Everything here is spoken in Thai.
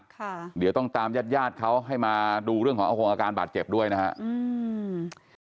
ค่ะเดี๋ยวต้องตามญาติญาติเขาให้มาดูเรื่องของอาคงอาการบาดเจ็บด้วยนะฮะอืม